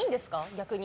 逆に。